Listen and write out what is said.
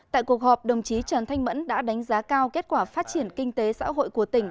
tại cuộc họp đồng chí trần thanh mẫn đã đánh giá cao kết quả phát triển kinh tế xã hội của tỉnh